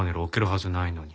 はずないのに。